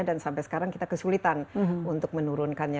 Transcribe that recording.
dan sampai sekarang kita kesulitan untuk menurunkannya